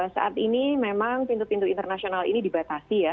saat ini memang pintu pintu internasional ini dibatasi ya